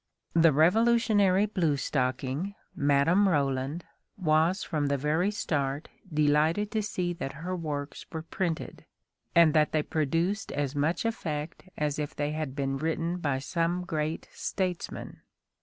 The Revolutionary bluestocking, Madame Roland, was from the very start delighted to see that her works were printed, and that they produced as much effect as if they had been written by some great statesman.